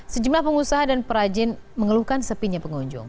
sejumlah pengusaha dan perajin mengeluhkan sepinya pengunjung